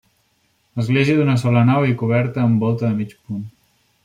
Església d'una sola nau i coberta amb volta de mig punt.